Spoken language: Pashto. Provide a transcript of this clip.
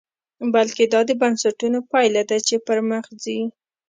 بلکې دا د بنسټونو پایله ده چې پرمخ ځي.